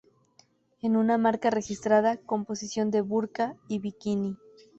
Es una marca registrada, composición de burka y bikini.